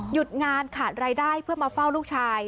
หยุดงานขาดรายได้เพื่อมาเฝ้าลูกชาย